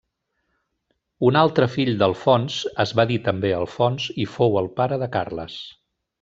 Un altre fill d'Alfons es va dir també Alfons i fou el pare de Carles.